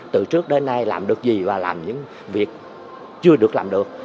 từ trước đến nay làm được gì và làm những việc chưa được làm được